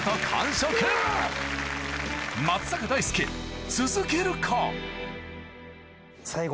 松坂大輔続けるか？